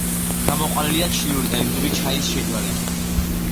გამოყვანილია ჩინური და ინდური ჩაის შეჯვარებით.